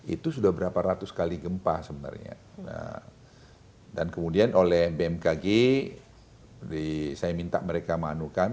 itu sudah berapa ratus kali gempa sebenarnya dan kemudian oleh bmkg saya minta mereka manukan